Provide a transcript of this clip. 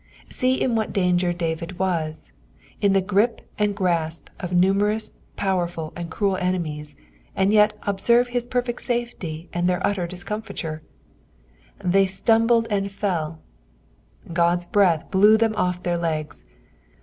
Bee in what danger David was ; in the grip and grasp of numerous, powerful, and cruel enemies, and yet observe his perfect sn^ty and their utter discomfiture] " Thty ttuirjiled and/tlU' God's breath blew them off their legs.